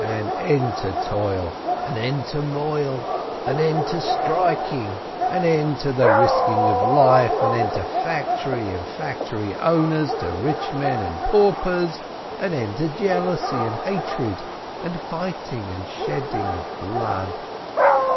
An end to toil, an end to moil, an end to 'shtreikeven,' an end to the risking of life, an end to factory and factory owners, to rich men and paupers, an end to jealousy and hatred and fighting and shedding of blood